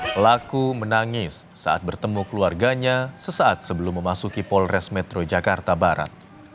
pelaku menangis saat bertemu keluarganya sesaat sebelum memasuki polres metro jakarta barat